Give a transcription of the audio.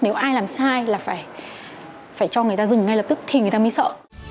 nếu ai làm sai là phải cho người ta dừng ngay lập tức thì người ta mới sợ